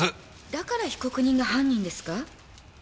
だから被告人が犯人ですか？